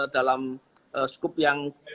dalam skup yang